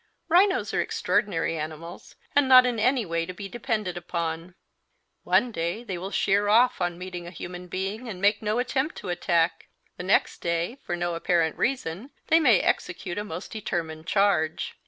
Rhinos are extraordinary animals, and not in any way to be depended upon. One day they will sheer off on meeting a human being and make no attempt to attack; the next day, for no apparent reason, they may execute a most determined charge.